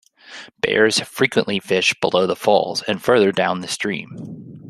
Bears frequently fish below the falls, and further down stream.